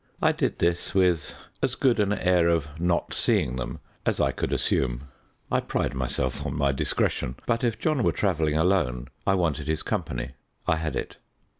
I did this with as good an air of not seeing them as I could assume. I pride myself on my discretion, but if John were travelling alone I wanted his company. I had it.